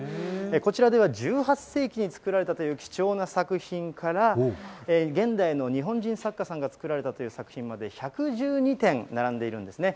こちらでは、１８世紀に作られたという貴重な作品から、現代の日本人作家さんが作られたという作品まで１１２点並んでいるんですね。